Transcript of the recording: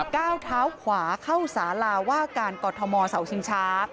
ก้าวเท้าขวาเข้าสาราว่าการกรทมเสาชิงช้า